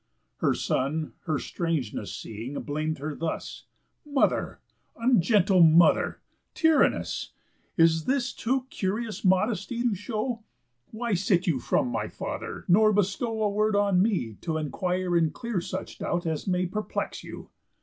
Her son, her strangeness seeing, blam'd her thus: "Mother, ungentle mother! tyrannous! In this too curious modesty you show. Why sit you from my father, nor bestow A word on me t' enquire and clear such doubt As may perplex you?